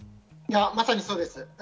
まさにそうです。